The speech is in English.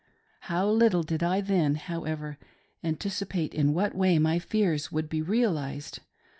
How little did I then, however, anticipate in what way my fears would be realised